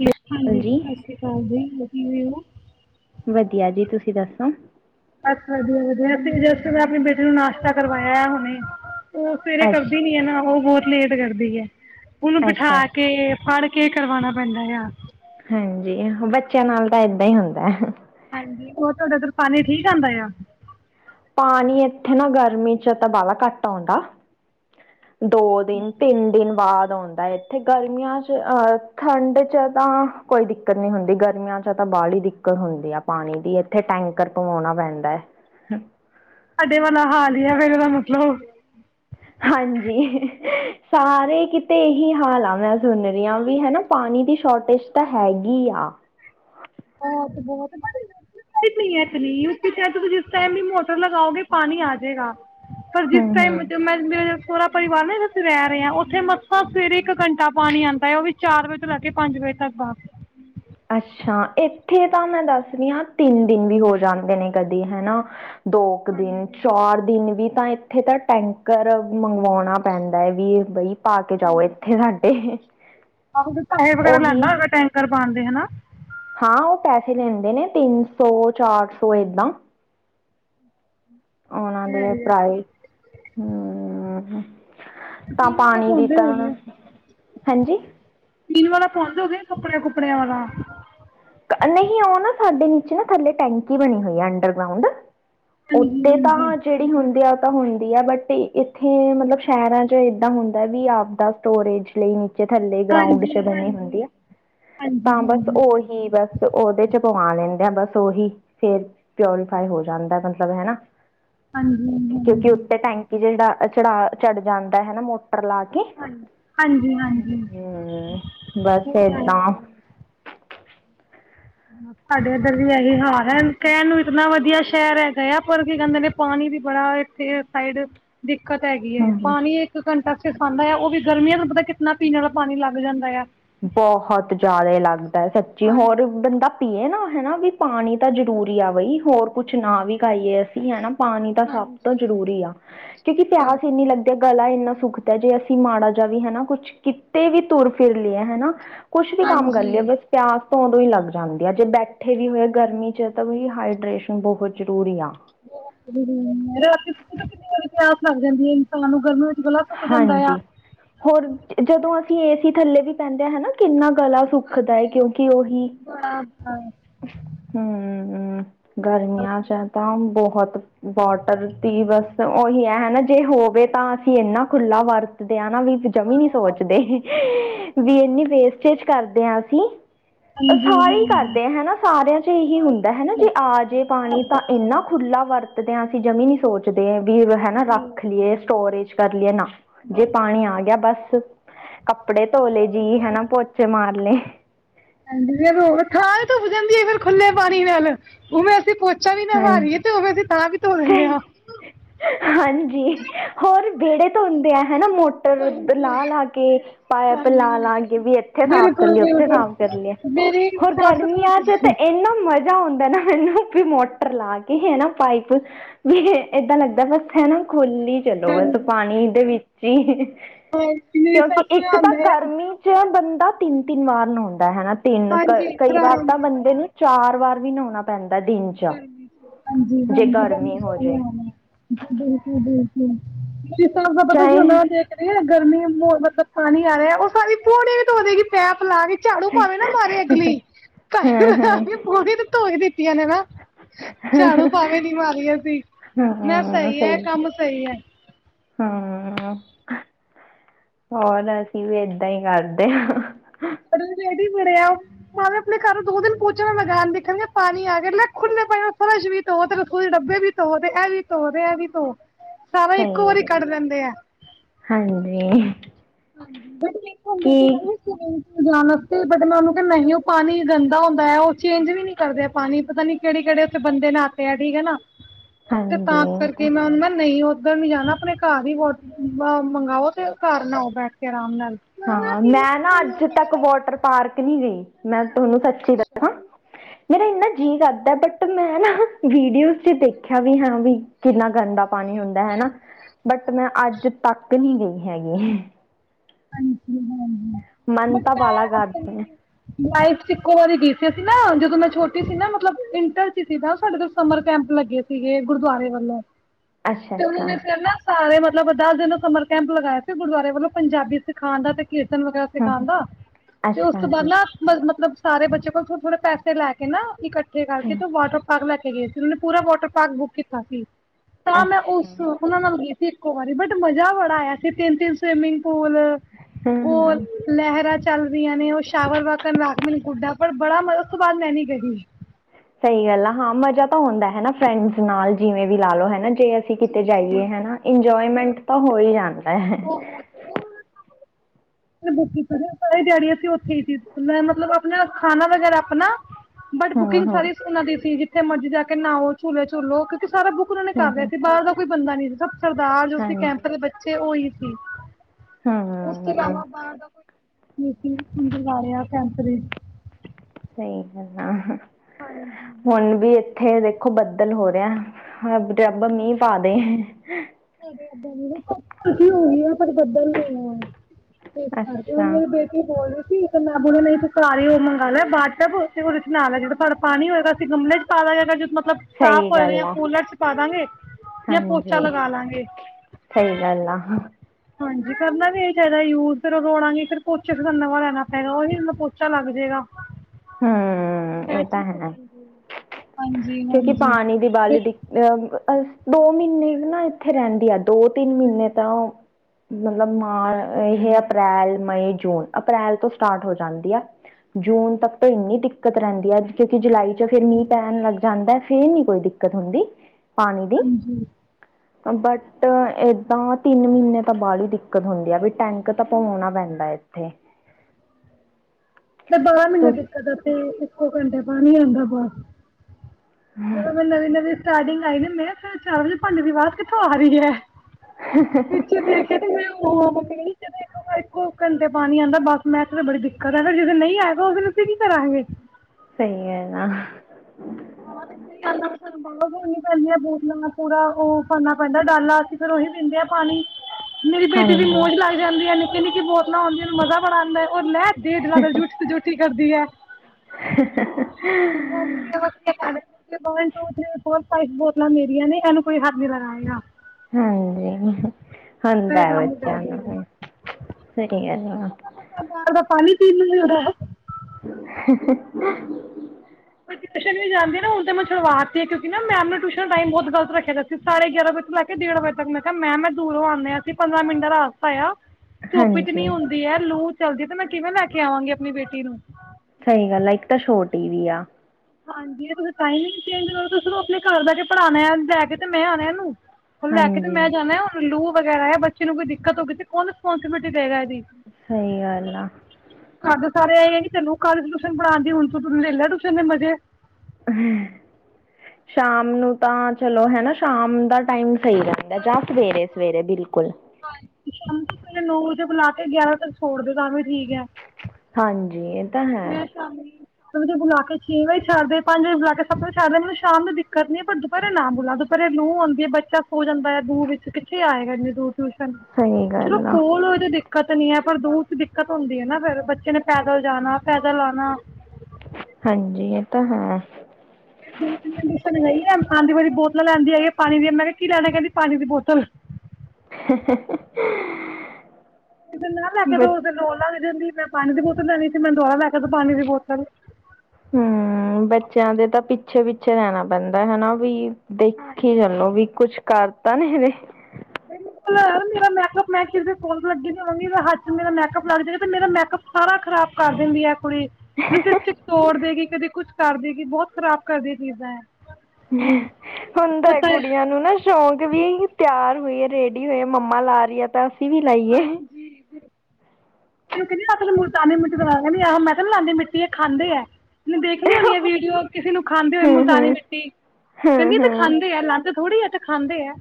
ਸਤਿ ਲੋ ਸ਼੍ਰੀ ਅਕਾਲ ਹਾਂਜੀ ਜੀ। ਸਤਿ ਸ਼੍ਰੀ ਅਕਾਲ ਜੀ, ਹੋਰ ਕਿਂਵੇਂ ਓਂ। ਵਧੀਆ ਜੀ ਤੁਸੀਂ ਦੱਸੋ? ਅੱਛਾ ਜੀ ਜੇਸੇ ਮੈਂ ਆਪਣੀ ਬੇਟੀ ਨੂੰ ਨਾਸ਼ਤਾ ਕਰਵਾਇਆ ਹੁਣੇਈ। ਉਹ ਸਵੇਰੇ ਅੱਛ ਕਰਦੀ ਨੀ ਹੈ ਨਾ ਉਹ ਬਹੁਤ ਲੇਟ ਕਰਦੀ ਐ ਉਹਨੂੰ ਬਿਠਾ ਅੱਛਾ ਅੱਛਾ ਕੇ ਪੜ੍ਹ ਕੇ ਕਰਵਾਣਾ ਪੈਂਦਾ ਯਾ। ਹਾਂਜੀ, ਬੱਚਿਆਂ ਨਾਲ ਤਾਂ ਐਦਾਂ ਈ ਹੁੰਦੈ। ਹਾਂਜੀ ਉਹ ਤੁਹਾਡਾ ਤੁਰ ਪਾਣੀ ਠੀਕ ਆਂਦਾ ਯਾ। ਪਾਨੀ ਏਥੇ ਨਾ ਗਰਮੀ ਚ ਤਾਂ ਬਾਲਾ ਘੱਟ ਆਉਂਦਾ। ਦੋ ਦਿਨ ਤਿੰਨ ਦਿਨ। ਵਿ ਬਾਦ ਆਉਂਦੈ ਏ ਇੱਥੇ ਗਰਮੀਆਂ ਚ ਅਹ ਠੰਡ ਚ ਤਾਂ, ਕੋਈ ਦਿੱਕਤ ਨਹੀਂ ਹੁੰਦੀ ਗਰਮੀਆਂ ਚ ਤਾਂ ਬਾਹਲੀ ਦਿੱਕਤ ਹੁੰਦੀ ਆ ਪਾਣੀ ਦੀ ਏਥੇ ਟੈਂਕਰ ਪਵਾਉਣਾ ਪੈਂਦੈ। ਹਮ [inaudible] ਸਾਡੇ ਵਾਲਾ ਹਾਲ ਹੀ ਆ ਫ ਉਹਦਾ ਮਤਲਬ ਹਾਂਜੀ, ਸਾਰੇ ਕਿਤੇ ਇਹੀ ਹਾਲ ਆ ਮੈਂ ਸੁਨ ਰਈਂ ਹਾਂ ਵੀ ਹਨਾ। ਪਾਨੀ ਦੀ ਸ਼ੋਰਟੇਜ ਤਾਂ ਹੈਗੀ ਆ। ਆਹ ਤੇ ਬਹੁਤ ਬੜੀ [unintelligible] ਕਿਤਨੀ ਇਤਨੀ ਜਿਸ ਟਾਈਮ ਵੀ ਮੋਟਰ ਲਗਾਓਗੇ ਪਾਨੀ ਆ ਜੇਗਾ। ਪਰ ਜਿਸ ਹਮ ਟਾਈਮ ਹਮ ਜ ਮੈਂ ਮੇਰਾ ਸੋਹਰਾ ਪਰਿਵਾਰ ਜਿੱਥੇ ਅਸੀਂ ਰਹਿ ਰਹੇ ਆ ਉੱਥੇ ਮਸਾ ਸਵੇਰੇ ਇੱਕ ਘੰਟਾ ਪਾਣੀ ਆਂਦੈ ਉਹ ਵੀ ਚਾਰ ਵਜੇ ਤੋਂ ਲੈ ਕੇ ਪੰਜ ਵਜੇ ਤੱਕ ਬਾਪ ਅੱਛਾ, ਇੱਥੇ ਤਾਂ ਮੈਂ ਦੱਸਰੀ ਆਂ ਤਿੰਨ ਦਿਨ ਵੀ ਹੋ ਜਾਂਦੇ ਨੇ ਕਦੀ ਹਨਾ। ਦੋ ਕੁ ਦਿਨ ਚਾਰ ਦਿਨ ਵੀ ਤਾਂ ਇੱਥੇ ਤਾਂ ਟੈਂਕਰ ਮੰਗਵਾਉਣਾ ਪੈਂਦੈ ਏ ਵੀ ਬਈ। ਪਾ ਕੇ ਜਾਓ ਇੱਥੇ ਸਾਡੇ ਉਹੀ ਕਰਵਾਂਦੇ ਹਨਾ। ਹਾਂ ਉਹ ਪੈਸੇ ਲੈਂਦੇ ਨੇ ਤਿੰਨ ਸੌ ਚਾਰ ਸੌ ਏਦਾਂ। ਉਹਨਾਂ ਦੇ ਭਰਾਏ, ਹੁੰ ਹੁੰ। ਤਾਂ ਪਾਣੀ ਦੀ ਤਾਂ ਹਾਂਜੀ। ਪੀਣ ਵਾਲਾ ਪਾਉਂਦੇ ਹੋ ਗ ਕੱਪੜਿਆਂ ਕੁੱਪੜਿਆਂ ਵਾਲਾ। ਨਹੀਂ ਉਹਓ ਨਾ ਸਾਡੇ ਨੀਚੇ ਨਾ ਥੱਲੇ ਟੈਂਕੀ ਬਣੀ ਹੋਈ ਆ ਅੰਡਰਗਰਾਂਊਂਂਡ। ਉੱਥੇ ਤਾਂ ਜੇ ਹੁੰਦੀ ਆ ਤਾ ਹੁੰਦੀ ਆ ਬਟ, ਇੱਥੇ ਮਤਲਬ ਸ਼ਹਿਰਾਂ ਚ ਏਦਾਂ ਹੁੰਦੈ ਵੀ ਆਪਦਾ ਸਟੋਰੇਜ ਲਈ ਨੀਚੇ ਥੱਲੇ ਗਰਾਉਂਡ ਚ ਬੰਨੀ ਹੁੰਦੀ ਆ, ਤਾਂ ਬਸ ਓਹੀ ਕੀ ਬਸ ਉਹਦੇ ਚ ਪਵਾ ਲੈਂਦੇ ਆ ਬਸ ਉਹੀ ਫੇਰ ਪਿਓਰੀਫਾਏ ਹੋ ਜਾਂਦੈ ਮਤਲਬ ਹੈਨਾ। ਹਾਂਜੀ ਕਿਉਂਕਿ ਹਾਂਜੀ ਉੱਥੇ ਟੈਂਕੀ ਜਿਹੜਾ ਚੜਾ ਚੜ੍ਹ ਜਾਂਦੈ ਹਨਾ ਮੋਟਰ ਲਾ ਕੇ ਹਾਂਜੀ ਹਾਂਜੀ ਬਸ ਦ [unintelligible] ਸਾਡੇ ਇੱਧਰ ਵੀ ਇਹੀ ਹਾਂ ਹੈ [unintelligible] ਕਹਿਣ ਨੂੰ ਇਤਨਾ ਵਧੀਆ ਸ਼ਹਿਰ ਹੈ ਗ ਪਰ ਕੀ ਕਹਿੰਦੇ ਨੇ ਪਾਣੀ ਵੀ ਬੜਾ ਇੱਥੇ ਸਾਈਡ ਦਿੱਕਤ ਹੈਗੀ ਏ ਹਮ ਹਮ ਪਾਣੀ ਇੱਕ ਘੰਟਾ ਸਖਾਉਂਦਾ ਆ ਉਹ ਵੀ ਗਰਮੀਆਂ ਤੋਂ ਪਤਾ ਕਿਤਨਾ ਪੀਨ ਵਾਲਾ ਪਾਣੀ ਲੱਗ ਜਾਂਦਾ ਯਾ। ਬਹੁਤ ਜਿਆਦੇ ਲੱਗਦੈ ਸੱਚੀ ਹੋਰ ਬੰਦਾ ਪੀਏ ਨਾ, ਹਨਾ ਵੀ ਪਾਣੀ ਤਾਂ ਜ਼ਰੂਰੀ ਆ ਬਈ ਹੋਰ ਕੁਛ ਨਾ ਵੀ ਖਾਈਏ ਅਸੀਂ ਹਨਾ। ਪਾਣੀ ਤਾਂ ਸਭ ਤੋਂ ਜਰੂਰੀ ਆ ਕਿਉਂਕਿ ਪਿਆਸ ਇੰਨੀ ਲੱਗਦੀ ਆ ਗਲਾ ਇੰਨਾ ਸੁਖਦਾ ਹੈ ਜੇ ਅਸੀਂ ਮਾੜਾ ਜਿ ਵੀ ਹਨਾ ਕੁਛ ਕਿਤੇ ਵੀ ਤੁਰ ਫਿਰ ਲਏ ਹਨਾ ਕੁਛ ਵੀ ਕੰਮ ਕਰ ਲਿਆ ਬਸ ਪਿਆਸ ਤੋਂ ਉਦੋਂ ਹੀ ਲੱਗ ਜਾਂਦੀ ਆ ਜੇ ਬੈਠੇ ਵੀ ਹੋਏ ਗਰਮੀ ਚ ਤਾਂ ਉ ਹਾਈਡਰੇੇਸ਼ਨ ਬਹੁਤ ਜ਼ਰੂਰੀ ਆ। ਰਾਤੀ ਕਿੰਨੀ ਵਜਾਰੀ ਕਹਾਸ ਲੱਗ ਜਾਂਦੀ ਹੈ [unintelligible] ਸਲਾਂ ਨੂੰ ਗਰਮੀ ਵਿੱਚ ਗਲਾ ਸੁੱਕ ਜਾਂਦਾ ਆ ਹਾਂਜੀ ਹੋਰ ਜਦੋਂ ਅਸੀਂ ਏ ਸੀ ਥੱਲੇ ਵੀ ਪੈਂਦੇ ਹਾਂ ਹਨਾ ਕਿੰਨਾ ਗਲਾ ਸੁੱਖਦਾ ਹੈ ਕਿਉਂਕਿ ਉਹੀ ਆ [unintelligible] ਤਾਂ ਬਹੁਤ ਬੋਟਰ ਦੀ ਬਸ ਉਹੀ ਹੈ ਹਨਾ ਜੇ ਹੋਵੇ ਤਾਂ ਅਸੀਂ ਇਨਾ ਖੁੱਲਾ ਵਰਤਦੇ ਆ ਨਾ ਵੀ ਜਮੀ ਨੀ ਸੋਚਦੇ ਵੀ ਇੰਨੀ ਵੇਸਟੇਜ ਕਰਦੇ ਹਾਂ ਅਸੀਂ ਹਾਂਜੀ ਸਾਰੇ ਹਾਂ ਹੀ [inaudible] ਕਰਦੇ ਹਨਾ ਸਾਰਿਆਂ ਚ ਇਹੀ ਹੁੰਦਾ ਹਨਾ ਜੇ ਆ ਜੇ ਪਾਣੀ ਤਾਂ ਇੰਨਾ ਖੁੱਲਾ ਵਰਤਦੇ ਹਾਂ ਅਸੀਂ ਜਮੀਂ ਨੀ ਸੋਚ ਵੀ ਹਨਾ ਰੱਖ ਲਈਏ ਸਟੋਰੇਜ ਕਰ ਲਈਏ ਨਾ ਜੇ ਪਾਣੀ ਆ ਗਿਆ ਬਸ ਕੱਪੜੇ ਧੋ ਲਏ ਜੀ ਹਨਾ ਪੋਚੇ ਮਾਰ ਲਏ। ਥ ਧੁੱਪ ਜਾਂਦੀ ਫਿਰ ਖੁੱਲੇ ਪਾਣੀ ਨਾਲ ਉਵੇਂ ਅਸੀਂ [unintelligible] ਰਹੀਏ ਹਾਂਜੀ ਤੇ ਉਹ ਫੇਰ ਅੇ ਤਾਂ ਵੀ ਧੋ ਰਹੀ ਸਹੀ ਆ। ਹਾਂਜੀ ਹੋਰ ਵਿਹੜੇ ਤੋਂ ਹੁੰਦੇ ਆ ਹਨਾ ਮੋਟ, ਲਾਹ ਲਾ ਕੇ ਪਾਾਈਪ ਆਪ ਲਾਹ ਲਾ ਗ ਵੀ ਇੱਥੇ ਸਾਫ਼ ਕਰ ਬਿਲਕੁਲ ਲੀਏ ਉੱਥੇ ਬਿਲਕੁਲ ਸਾਫ਼ ਕਰ ਲਿਆ ਮੇਰੀ ਹੋਰ ਸੱਸ ਨੂੰ ਗਰਮੀਆਂ ਚ ਤਾਂ ਹਾਂਜੀ ਇੰਨਾ ਮਰ ਹੁੰਦਾ ਨੂੰ ਮੋਟਰ ਲਾ ਕੇ ਹਨਾ ਪਾਈਪ, ਵੀ ਏਦਾਂ ਲੱਗਦਾ ਬਸ ਹੈ ਨਾ ਖੁੱਲ ਹੀ ਚਲੋ ਬਸ ਪਾਣੀ ਦੇ ਵਿੱਚ, ਜੀ ਮੇਰੀ ਕਿਉਂਕਿ ਸੱਸ ਨੂੰ ਇੱਕ ਤਾਂ ਆਉਂਦਾ ਹੈ ਗਰਮੀ ਜ ਬੰਦਾ ਤਿੰਨ ਤਿੰਨ ਵਾਰ ਨਹਾਉਂਦਾ ਹਨਾ ਤਿੰਨ ਕ ਹਾਂਜੀ ਕਈ ਵਾਰ ਆਰਾਮ ਤਾਂ ਨਾਲ ਬੰਦੇ ਨੇ ਚਾਰ ਵਾਰ ਵੀ ਨਹਾਉਣਾ ਪੈਂਦਾ ਦਿਨ ਚ ਹਾਂਜੀ ਜੇ ਹਾਂਜੀ ਗਰਮੀ ਹੋ ਜਾਏ ਲ ਆਣੇ [unintelligible] ਬਿਲਕੁਲ ਬਿਲਕੁਲ ਸਾਬ ਦਾ ਪਤਾ ਜੀ ਉਹ ਦੇ ਹਾਂ ਨਾ ਗਰਮੀ ਮਤਲਬ ਪਾਣੀ ਆ ਰਿਹਾ ਉਹ ਸਾਰੀ ਪੋੜੇ ਧੋਦੇਗੀ ਪੈਪ ਲਾ ਕੇ ਝਾੜੂ ਪਾਵੇ ਨਾ ਮਾਰੇ ਅਗਲੀ ਹਾਂ ਹਾਂ ਪੋੜੀ ਤੇ ਧੋਏ ਦਿੱਤੀਆਂ ਨੇ ਨ ਝਾੜੂ ਪਾਵੇ ਨੀ ਮਾਰੀਆਂ ਸੀ ਮੈਂ ਸਹੀ ਐ ਕੰਮ ਸਹੀ ਹੈ ਹਮ ਹੋਰ ਅਸੀਂ ਵੀ ਏਦਾਂ ਹੀ ਕਰਦੇ ਹਾਂ ਅ ਰੜ ਬੜਿਆ [unintelligible] ਭਾਵੇਂ ਆਪਣੇ ਘਰ ਦੋ ਦਿਨ ਪੋਚਨਾ ਲਗਾਨ ਦੇਖਣ ਪਾਣੀ ਆ ਕੇ ਲੈ ਖੁੇ ਪੈ ਫਰਸ਼ ਵੀੋ ਧੋਤੇ ਰਸੋਈ ਦੇ ਡੱਬੇ ਵੀ ਧੋ ਦੇ ਇਹ ਵੀ ਧੋ ਦੇ ਐ ਵੀ ਧੋ ਸਾਰਾ ਸਹੀ ਇੱਕੋ ਵਾਰੀ ਗੱਲ ਹੈ। ਕੱਢ ਲੈਂਦੇ ਆ ਹਾਂਜੀ ਹਾਂਜੀ [inaudible] ਕੀ [inaudible] ਜਾਣ ਵਾਤੇ ਬਟ ਮੈਂ ਉਹਨੂੰ ਕਿਹਾ ਨਹੀਂ ਉਹ ਪਾਣੀ ਗੰਦਾ ਹੁੰਦਾ ਹੈ ਉਹ ਚੇਂਜ ਵੀ ਨਹੀਂ, ਕਰਦੇ ਆ ਪਾਣੀ ਪਤਾ ਨੀ ਕਿਹੜੇ ਕਿਹੜੇ ਉੱਥੇ ਬੰਦੇ ਨਾਤੇ ਆ ਠੀਕ ਹੈ ਨਾ, [unintelligible] ਤੇ ਤਾਂ ਕਰਕੇ ਮੈਂਮ ਨਹੀਂ, ਉਧਰ ਮ ਜਾਣਾ ਆਪਣੇ ਘਰ ਹੀ ਵ ਮੰਗਵਾਓ, ਤੇ ਘਰ ਨਾਓ ਬੈਠ ਕੇ ਆਰਾਮ ਨਾਲ ਹਾਂ ਮੈਂ ਨਾ ਅੱਜ ਤੱਕ ਵੋਟਰ ਪਾਰਕ ਨਹੀਂ ਗਈ ਮੈਂ ਤੁਹਾਨੂੰ ਸੱਚੀ ਦੱਸਾਂ। ਮੇਰਾ ਇੰਨਾ ਜੀਅ ਕਰਦਾ ਬਟ ਮੈਂ ਨਾ ਵੀਡੀਓਜ਼ ਚ ਦੇਖ। ਦੇਖਿਆ ਵੀ ਹੈ ਵੀ ਕਿੰਨਾ ਗੰਦਾ ਪਾਣੀ ਹੁੰਦਾ ਹਨਾ ਬਟ ਮੈਂ ਅੱਜ ਤੱਕ ਨਹੀਂ ਗਈ ਹੈਗੀ। ਮਨ ਤਾਂ ਬਾਲਾ ਕਰਦੇ ਹੈ ਹੂੰ ਲਾਈਫ ਚ ਇਕੋ ਵਾਰੀ ਗੀ ਸੀ, ਨਾ ਜਦੋਂ ਮੈਂ ਛੋਟੀ ਸੀ, ਨਾ ਮਤਲਬ ਇੰਟਰ ਚ ਹੀ ਸੀ ਨਾ ਸਾਡੇ ਤੋਂ, ਸਮਰ ਕੈਂਪ ਲੱਗੇ ਸੀਗੇ ਗੁਰਦੁਆਰੇ ਵੱਲੋਂ, ਅੱਛਾ ਤੇ ਉਹਨਾਂ ਅੱਛਾ ਨੇ ਫੇਰ ਨਾ ਸਾਰੇ ਮਤਲਬ ਦਸ ਦਿਨ ਸਮਰ ਕੈਂਪ ਲਗਾਏ। ਗੁਰਦੁਆਰੇ ਵੱਲੋਂ ਪੰਜਾਬੀ ਸਿਖਾਣ ਦਾ ਤੇ ਕੀਰਤਨ ਵਗੈਰਾ ਹਮ ਸਿਖਾਣ ਦਾ, ਤੇ ਓਸ ਤੋਂ ਅੱਛਾ ਬਾਦ ਜੀ ਨਾ ਬ ਮਤਲਬ ਸਾਰੇ ਬੱਚੇ ਕੋਲ ਥੋ-ਥੋ ਪੈਸੇ ਲੈ ਕੇ ਨਾ ਇਕੱਠੇ, ਕਰਕੇ ਤੇ ਓ ਵਾਟਰ ਪਾਰਕ ਲੈ ਕੇ ਗਏ ਸੀ। ਓਨਾ ਪੂਰਾ ਵਾਟਰ ਪਾਰਕ ਬੁੱਕ ਕੀਤਾ ਸੀ, ਤਾਂ ਮੈਂ ਉਸ ਅੱਛਾ ਓਨਾਂ ਨਾਲ ਗੀ ਸੀ। ਬਟ ਮਜ਼ਾ ਵੜਾ ਆਇਆ ਸੀ ਤਿੰਨ- ਤਿੰਨ ਸਵਿਮਿੰਗ ਪੂਲ, ਹਮ ਹੋਰ ਹਮ ਲਹਿਰਾਂ ਚੱਲ ਰਹੀਆਂ ਨੇ ਓ ਸ਼ਾਵਰ ਵਕ ਰਾਗਮਨ ਗੁਡਾ ਪਰ ਬੜਾ ਮ ਉਸ ਤੋਂ ਬਾਦ ਮੈਂ ਨੀ ਗਈ। ਸਈ ਗੱਲ ਆ ਹਾਂ ਮਜ਼ਾ ਤਾਂ ਔਦਾ ਹਨਾ ਫਰੈਂ ਨਾਲ ਜਿਵੇਂ ਵੀ ਲਾ ਲੋ ਹਨਾ ਜੇ ਅਸੀਂ ਕਿਤੇ ਜਾਈਏ ਹਨਾ ਇੰਜੋਏਮੈਂਟ ਤਾਂ ਹੋ ਈ ਜਾਂਦੈ। [inaudible] ਬੁੱਕ ਕੀਤਾ ਸੀ ਸਾਰੇ ਡੈਡੀ ਅਸੀਂ ਉੱਥੇ ਈ ਸੀ ਮੈਂ ਮਤਲਬ ਆਪਣਾ ਖਾਣਾ ਵਗੈਰਾ ਆਪਣਾ ਬਟ ਬੁਕਿੰਗ ਹਮ ਸਾਰੀ ਓਨਾ ਦੀ ਸੀ ਜਿੱਥੇ ਮਰਜੀ ਜਾ ਕੇ ਨਾਓ, ਝੂਲੇ ਝੂਲੋ ਕਿਉਂਕਿ ਸਾਰਾ ਬੁ ਓਨਾਂ ਨੇ ਕਰ ਹਮ ਲਿਆ ਹਮ ਸੀ ਬਾਰ ਦਾ ਕੋਈ ਬੰਦਾ ਨੀ ਸੀ ਸਭ ਸਰਦਾਰ ਜੋ ਸੀ ਕੈਂਪ ਹਾਂਜੀ ਦੇ ਬੱਚੇ ਉਹੀ ਸੀ। ਓਸ ਤੋਂ ਹਮ ਇਲਾਵਾ ਬਾਅ [unintelligible] ਸਈ ਹਨਾ। ਹਾਂਜੀ। ਹੁਣ ਵੀ ਇੱਥੇ ਦੇਖੋ ਬੱਦਲ ਹੋ ਰੇਆ ਰੱਬ ਮੀਂਹ ਪਾ ਦੇ। [unintelligible] [unintelligible] ਓ ਅੱਛਾ ਬੋਲ ਰਏ ਸੀ ਮੈਂ ਬਕਾਰਾਰੀ ਓ ਮੰਗਨੈ ਬਾਪਟ ਓਦੇ ਚ ਨਾਲ ਲ ਹੈ ਜੇੜਾ ਸਡਾ ਪਾਨੀ ਹੋਏਗਾ ਅਸੀਂ ਗਮਲੇ ਚ ਪਾ ਦਾਂਗੇ ਅਗਰ ਜ ਮਤਲਬ ਸਾਫ਼ ਸਹੀ ਹੋਏਗਾ ਗੱਲ ਜਾਂ ਆ ਕੂਲਰ ਚ ਪਾ ਦਾਂਗੇ, ਜਾਂ ਪੋਚਾ ਲਗਾ ਲਵਾਂਗੇ। ਸਈ ਗੱਲ ਆ। ਹਾਂਜੀ ਕਰਨਾ ਵੀ ਨਹੀਂ ਹੀ ਚਾਹੀਦਾ ਯੂਜ ਫਿਰ ਰੋੜਾਂਗੇ ਫਿਰ ਪੋਚੇ ਫਾਨੇ ਵਾ ਲੈਣਾ ਪਏਗਾ ਓ ਹੀ ਮੂੰ ਪੋਚਾ ਲੱਗ ਜੇਗਾ। [inaudible] ਹੂੰ ਇਹ ਤਾਂ ਹੈ। [unintelligible] ਕਿਉਂਕਿ ਪਾਣੀ ਦੀਵਾਲੀ ਦੀ ਅ ਦੋ ਮਹੀਨੇ ਨਾ ਇੱਥੇ ਰੈਂਦੀ ਆ ਦੋ- ਤਿੰਨ ਮਹੀਨੇ ਤਾਂ ਓ ਮਤਲਬ ਮਾਰ ਇਹ ਅਪ੍ਰੈਲ ਮਈ ਜੂਨ ਅਪ੍ਰੈਲ ਤੋਂ ਸਟਾਰਟ ਹੋ ਜਾਂਦੀ ਆ ਜੂਨ ਤੱਕ ਤੋਂ ਏਨੀ ਦਿੱਕਤ ਰੈਂਦੀ ਆ ਕਿਉਂਕਿ ਜੁਲਾਈ ਕਿਉਕੀ ਮੀਂ ਪੈਣ ਲੱਗ ਜਾਂਦੈ ਫੇਰ ਨੀ ਕੋਈ ਦਿੱਕਤ ਹੁੰਦੀ ਪਾਣੀ ਦੀ। ਬਟ ਏਦਾਂ ਤਿੰਨ ਮੀਨੇ ਤਾਂ ਬਾਲੀ ਦਿੱਕਤ ਹੁੰਦੀ ਆ ਵੀ ਟੈਂਟ ਤਾਂ ਭੁੰਮਉਣਾ ਪੈਂਦਾ ਇੱਥੇ ਤੇ ਬਾਰ ਮੇਨੂੰ ਤੁਸ- ਦਿੱਕਤ ਆ ਕਿ ਇੱਕੋ ਘੰਟੇ ਪਾਨੀ ਆਦਾ ਬਰ ਨਵੀ-ਨਵੀ ਸਟਾਰਟਿੰਗ ਆਈ ਨੇ, ਮੈਂ ਫਿਰ ਚਾਰ ਵਜੇ ਭਾਡੇ ਦੀ ਆਵਾਜ਼ ਕਿੱਥੋਂ ਆ ਰਹੀ ਆ। ਪਿੱਛੇ ਦੇ [unintelligible] ਇੱਕੋ ਘੰਟੇ ਪਾਣੀ ਆਦਾ, ਬਸ ਮੈਂ ਤਾਂ ਬੜੀ ਦਿੱਕਤ ਐ। ਜਿਸ ਦਿਨ ਨੲ ਈ ਆਏਗਾ ਉਸ ਦਿਨ ਅਸੀਂ ਕੀ ਕਰਾਂਗੇ? ਸਈ ਐ ਨਾ [unintelligible] ਬਾ ਭਰਨੀ ਪੈਂਦੀਆਂ ਬੋਤਲਾਂ ਪੂਰਾ ਓ ਭਰਨਾ ਪੈਂਦਾ ਡਾਲਾ ਅਸੀਂ ਫੇਰ ਉਹੀ ਦਿੰਦੇ ਆਂ ਪਾਣੀ। ਮੇਰੀ ਬੇਟੀ ਦੀ ਹਾਂਜੀ। ਮੌਜ ਲੱਗ ਜਾਂਦੀ ਐ ਨਿੱਕੀ ਨਿੱਕੀ ਬੋਤਲਾਂ ਹੁੰਦੀਆਂ ਮਜ਼ਾ ਬੜਾ ਆਦਾ ਐ ਓ ਨੈ ਜ਼ਿਆਦਾ ਜੂਠੀ ਤੇ ਜੂਠੀ ਕਰਦੀ ਐ। [inaudible] ਓਕੇ ਓ [unintelligible] ਬੋਤਲਾਂ ਮੇਰੀਆਂ ਨੇ ਐਨੂੰ ਕੋਈ ਹੱਥ ਨੀ ਲਗਾਏਗਾ। ਹਾਂਜੀ, ਮੈਂ ਹੁੰਦੈ ਕੰਮ ਬੱਚਿਆਂ ਨੂੰ ਕਰਦੀ ਹਾਂ ਸਈ ਗੱੱਲ ਆ। [unintelligible] [inaudible] ਟਿਊਸ਼ਨ ਵੀ ਜਾਂਦੀ ਐ ਨਾ ਓ ਤਾਂ ਮੈਂ ਛਡਵਾਤੀ ਕਿਉਂਕਿ ਨਾ ਮੈਮ ਨੂੰ ਟਿਊਸ਼ਨ ਟਾਈਮ ਬਹੁਤ ਗਲਤ ਰੱਖਿਆ ਸੀ ਸਾ ਰੇ ਗਿਆਰਾਂ ਵਜੇ ਤੋਂ ਲੈ ਕੇ ਡੇਢ ਵਜੇ ਤੱਕ ਮੈਂ ਕੇਆ ਮੈਂਮ ਮੈ ਦੂਰੋਂ ਆਦੇ ਅਸੀ ਪੰਦਰਾਂ ਮਿੰਟ ਦਾ ਰਸਤਾ ਆ। ਧੁਪ ਇਤਨੀ ਹਾਂਜੀ ਹੁੰਦੀ ਐਲੂ ਚਲਦੀ ਤੇ ਮੈਂ ਕਿਵੇਂ ਲੈ ਕੇ ਆਵਾਂਗੀ ਆਪਣੀ ਬੇਟੀ ਨੂੰ। ਸਹੀ ਗੱਲ ਆ ਇੱਕ ਤਾਂ ਛੋਟੀ ਵੀ ਆ। ਹਾਂਜੀ ਤੁਸੀਂ ਟਾਇਮਿੰਗ ਚੇਂਜ ਕਰੋ, ਤੁਸੀ ਤੇ ਆਪਣੇ ਘਰ ਬਹਿਕੇ ਪੜ੍ਹਾਣੈ, ਲੈਕੇ ਤੇ ਮੈਂ ਆਣਾ ਇਹਨੂੰ। ਲੈਕੇ ਤੇ ਮੈਂ ਹਾਂਜੀ ਜਾਣਾ ਏ, ਲੂ ਵਗੈਰਾ ਹੈ ਬੱਚੇ ਨੂੰ ਕੋਈ ਦਿੱਕਤ ਹੋ ਗਈ ਤੇ ਕੌਣ ਰਿਸਪੋਂਸੀਬਿਲਿਟੀ ਦਇਗਾ ਇਹਦੀ। ਸਹੀ ਗੱਲ ਆ। ਘਰਦੇ ਸਾਰੇ ਏਈ ਸੀ ਤੈਨੂੰ ਘਾਰ'ਚ ਟਿਊਸ਼ਨ ਪੜਾਂਦੀ ਹੁਣ ਤੁ ਲੇਲੇ ਟਿਊਸ਼ਨ ਦੇ ਮਜ਼ੇ। ਹ ਸ਼ਾਮ ਨੂੰ ਤਾਂ ਚਲੋ ਹੈਨਾ ਸ਼ਾਮ ਦਾ ਟਾਈਮ ਸਹੀ ਰਹਿੰਦਾ। ਜਾਂ ਸਵੇਰੇ-ਸਵੇਰੇ ਬਿਲਕੁਲ। ਹਾਂਜੀ, ਸ਼ਾਮ ਤ ਸਵੇਰੇ ਨੌ ਵਜੇ ਬੁਲਾਕੇ, ਗਿਆਰਾਂ ਤੱਕ ਛੋੜਦੇ ਤਾਂ ਵੀ ਠੀਕ ਹੈ। ਹਾਂਜੀ, ਇਹ ਤਾਂ ਹੈ। ਜੇ ਬੁਲਾਕੇ ਛੇ ਵਜੇ ਛੱਡਦੇ, ਪੰਜ ਵਜੇ ਬੁਲਾਕੇ ਸੱਤ ਵਜੇ ਛੱਡਦੇ, ਮੈਂਨੁ ਸ਼ਾਮ ਨੂੰ ਦਿੱਕਤ ਨੀ ਪਰ ਪਰ ਨਾ ਬੁਲਾ ਦੂ ਪਰ ਇਹ ਲੂਹ ਹੋਂਦੀ ਏ, ਬੱਚਾ ਸੋ ਜਾਂਦਾ ਏ ਦੁਹ ਵਿੱਚ ਕਿੱਥੇ ਆਇਗਾ ਇੰਨੀ ਦੂਰ। ਟਿਉਸ਼ਨ। ਸਹੀ ਚਲੋ, ਗੱਲ ਆ ਕੋਲ ਹੋਏ ਤੇ ਦੇਖ ਦਿੱਕਤ ਨੀ ਹੈ, ਪਰ ਦੂਰ'ਚ ਦਿੱਕਤ ਹੁੰਦੀ ਹੈ ਨਾ ਫਿਰ, ਬੱਚੇ ਨੇ ਪੈਦਲ ਜਾਣਾ, ਪੈਦਲ ਆਣਾ। ਹਾਂਜੀ, ਇਹ ਤਾ ਹੈ। ਕੰਡੀਸ਼ਨ ਨਹੀਂ ਨਾ ਆਂਦੀ, ਮੇਰੀ ਬੋਤਲ ਲੈਂਂਦੀ ਹੈਗੀ ਹੈ ਪਾਣੀ ਦੀਆਂ, ਮੈਂ ਕਿਹਾ ਕੀ ਲੈਣਾ ਕਹਿੰਦੀ ਪਾਣੀ ਦੀ ਬੋਤਲ। ਹੇਂਹੇਂਹੇਂ ਟਿਫੀਨ ਨਾ ਲੈਕੇ ਦੋ ਬੱਚ ਓਸ ਦਿਨ ਰੋਨ ਲੱਗ ਜਾਂਦੀ ਏ, ਮੈਂ ਪਾਣੀ ਦੀ ਬੋਤਲ ਲੈਣੀ, ਮੈਂਨੁ ਆ ਲੈਕੇ ਦੋ ਪਾਣੀ ਦੀ ਬੋਤਲ। ਹੂੰ, ਬੱਚਿਆਂ ਦੇ ਤਾਂ ਪਿੱਛੇ-ਪਿੱਛੇ ਰਹਿਣਾ ਪੈਂਦਾ, ਹਨਾ ਵੀ। ਦੇਖੀ ਚੱਲੋ ਵੀ, ਕੁਛ ਕਰ ਤਾ ਨਹੀਂ ਰਹੇ। ਯਾਰ ਮੇਰਾ ਮੈਕਅਪ ਮੈਂ ਕਿਸਦੇ ਕੋਲ ਲੱਗੀ ਹੋਵਾਂਗੀ, ਹੱਥ'ਚ ਮੇਰਾ ਮੈਕਅਪ ਲੱਗ ਜੇਗਾ ਤੇ, ਮੇਰਾ ਮੈਕਅਪ ਸਾਰਾ ਖ਼ਰਾਬ ਕਰ ਦਿੰਦੀ ਐ। ਕੁੜੀ, ਲਿਪੀਸਟੀਕ ਤੋੜ ਦੇਗੀ, ਕਦੇ ਕੁਛ ਕਰਦੇਗੀ, ਬਹੁਤ ਖ਼ਰਾਬ ਕਰਦੀਆ ਚੀਜ਼ਾਂ ਐ। ਹੂੰ, ਹੁੰਦਾ ਏ ਹੈ ਕੁੜੀਆਂ ਨੂੰ, ਨਾ। ਸ਼ੌਂਕ ਵੀ, ਅਹੀ ਤਿਆਰ ਹੋਈਏ, ਰੇਡੀ ਹੋਏ, ਮੰਮਾ ਲਾ ਰਹੀਏ ਤਾਂ ਅਸੀਂ ਵੀ ਲਾਈ ਹਾਂਜੀ, ਫਿਰ ਮੈਂਨੂ ਕਹਿੰਦੀ ਰਾਤ ਨੂੰ ਮੁਲਤਾਨੀ ਮਿੱਟੀ ਬਣਾਲੇ, ਆ ਮੈਂ ਤਾ ਨੀ ਲਾਂਦੀ ਮਿੱਟੀ, ਐ ਖਾਂਦੇ ਆ। ਓਹਨੇ ਦੇਖਲੀ ਹੋਣੀ ਏ ਹਮ ਵੀਡੀਓ, ਕਿਸੇ ਨੂੰ ਖਾਂਦੇ ਹੋਏ ਮੁਲਤਾਨੀ ਹਮ ਮਿੱਟੀ। ਕਹਿੰਦੀ ਏ ਹਮ ਤੇ ਹਮ ਖਾਂਦੇ ਆ, ਲਾਂਦੇ ਥੋੜੀ ਆ ਐਤੇ ਖਾਂਦੇ ਆ।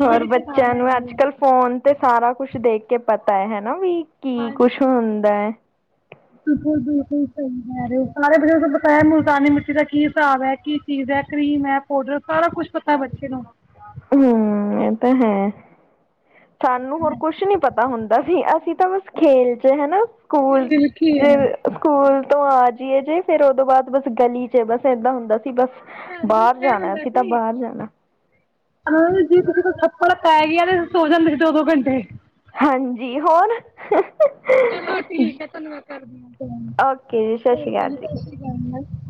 ਹੋਰ ਬੱਚਿਆਂ ਨੂੰ ਅੱਜ-ਕੱਲ ਫੋਨ ਤੇ ਸਾਰਾ ਕੁਛ ਦੇਖਕੇ ਪਤਾ ਹੈ, ਹੈਨਾ ਵੀ, ਕੀ ਕੁਛ ਹੁੰਦਾ ਐ। ਹ [inaudible] ਬਿਲਕੁਲ-ਬਿਲਕੁਲ ਸਹੀ ਕਹਿ ਰਹੇ ਹੋ, ਸਾਰੇ ਬਚਿ ਪਤਾ ਮੁਲਤਾਨੀ ਮਿੱਟੀ ਦਾ ਕੀ ਹਿਸਾਬ ਹੈ, ਕਿ ਚੀਜ਼ ਹੈ ਕ੍ਰੀਮ ਹੈ, ਪਾਊਡਰ ਸਾਰਾ ਕੁੱਛ ਪਤਾ ਬੱਚੇ ਨੂੰ। ਹੂੰ, ਇਹ ਤਾਂ ਹੈ, ਸਾਨੂੰ ਹੋਰ ਕੁਛ ਨੀ ਪਤਾ ਹੁੰਦਾ ਵੀ, ਅਸੀਂ ਤਾਂ ਬਸ ਖੇਲ'ਚ ਹਨਾ ਸਕੂਲ 'ਚ ਬਿਲਕੁਲ ਸਕੂਲ ਤੋਂ ਆਜੀਏ ਤੇ, ਫਿਰ ਓਹਦੋਂ ਬਾਅਦ ਬਸ ਗਲੀ'ਚ ਬਸ ਏਦਾਂ ਹੁੰਦਾ ਸੀ ਬਸ। ਬਾਹਰ ਜਾਣਾ, ਅਸੀਂ ਤਾ ਬਾਹਰ ਜਾਣਾ। ਹਾਂ, ਜੇ ਕਿਸੀ ਕੋਲੋ ਥੱਪੜ ਪੈਗਿਆ, ਤੇ ਸੋ ਜਾਂਦੇ ਸੀ ਦੋ-ਦੋ ਘੰਟੇ। ਹਾਂਜੀ, ਹੋਰ। ਚਲੋ ਠੀਕ ਏ, ਧੰਨਵਾਦ ਕਰਦੀ ਹਾਂ, ਤੁੂੰ ਓਕੇ ਜੀ ਸਤਿ ਸ਼੍ਰੀ ਠੀਕ ਏ ਅਕਾਲ ਜੀ, ਸਤਿ ਸ਼੍ਰੀ ਅਕਾਲ, ਮੈਮ।